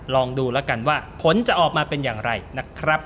ลองดูแล้วกันว่าผลจะออกมาเป็นอย่างไรนะครับ